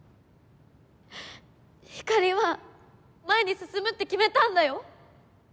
ひかりは前に進むって決めたんだよ？